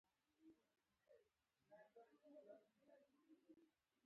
له حاجي عبدالرحیم سره شین غزي بابا ته ولاړو.